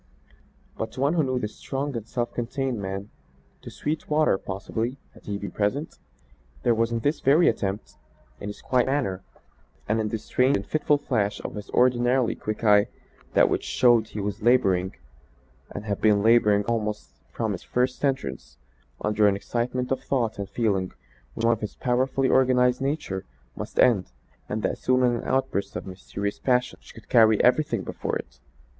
But to one who knew the strong and self contained man to Sweetwater possibly, had he been present, there was in this very attempt in his quiet manner and in the strange and fitful flash of his ordinarily quick eye, that which showed he was labouring and had been labouring almost from his first entrance, under an excitement of thought and feeling which in one of his powerfully organised nature must end and that soon in an outburst of mysterious passion which would carry everything before it.